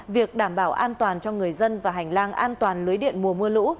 việc đảm bảo an toàn cho người dân và hành lang an toàn lưới điện mùa mưa lũ